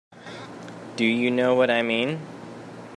Do you know what I mean?